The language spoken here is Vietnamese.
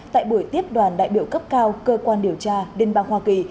tại buổi tiếp đoàn đại biểu cấp cao cơ quan điều tra liên bang hoa kỳ